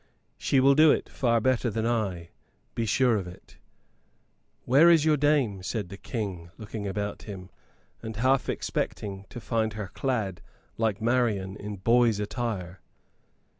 She will do it far better than I, be sure of it." "Where is your dame?" said the King, looking about and half expecting to find her clad like Marian in boy's attire.